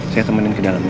saya temenin ke dalam ya